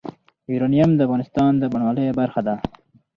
یورانیم د افغانستان د بڼوالۍ برخه ده.